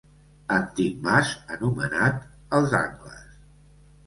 Antic mas anomenat els Angles.